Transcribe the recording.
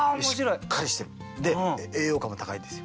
しっかりしてる。で栄養価も高いんですよ。